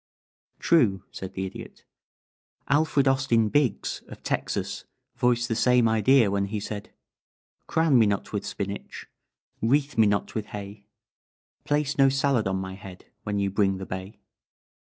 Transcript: "True," said the Idiot. "Alfred Austin Biggs, of Texas, voiced the same idea when he said: "'Crown me not with spinach, Wreathe me not with hay; Place no salad on my head When you bring the bay.